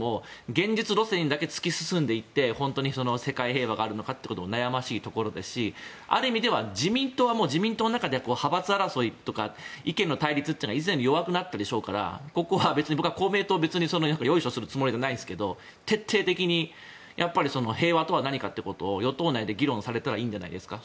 現実路線だけ突き進んで行って本当に世界平和があるかっていうところも悩ましいですしある意味では自民党は自民党の中で派閥争いとか意見の対立が以前より弱くなったでしょうがここは僕は別に公明党をよいしょするつもりはないですが徹底的に平和とは何かっていうことを与党内で議論されたらいいんじゃないですか。